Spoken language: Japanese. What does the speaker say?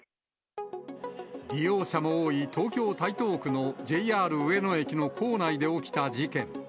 利用者も多い東京・台東区のＪＲ上野駅の構内で起きた事件。